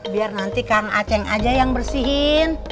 biar nanti kang aceng aja yang bersihin